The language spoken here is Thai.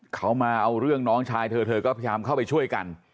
เขามาเอาเรื่องน้องชายเธอเธอก็พยายามเข้าไปช่วยกัน